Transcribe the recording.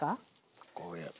こうやって。